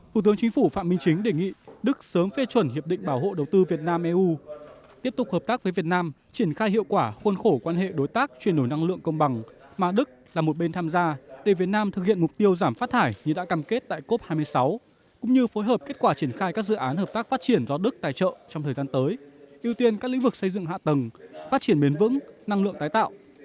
thủ tướng chính phủ phạm minh chính đề nghị đức sớm phê chuẩn hiệp định bảo hộ đầu tư việt nam eu tiếp tục hợp tác với việt nam triển khai hiệu quả khuôn khổ quan hệ đối tác truyền nổi năng lượng công bằng mà đức là một bên tham gia để việt nam thực hiện mục tiêu giảm phát thải như đã cam kết tại cop hai mươi sáu cũng như phối hợp kết quả triển khai các dự án hợp tác phát triển do đức tài trợ trong thời gian tới ưu tiên các lĩnh vực xây dựng hạ tầng phát triển biến vững năng lượng tái tạo